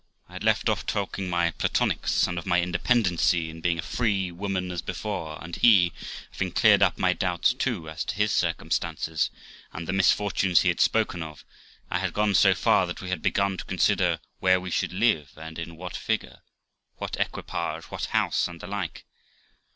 I had left off talking my platonics, and of my independency, and being a free woman, as before ; and he, having cleared up my doubts too, as to his circumstances and the misfortunes he had spoken of, I had gone so far that we had begun to consider where we should live, and in what figure, what equipage, what house, and the like.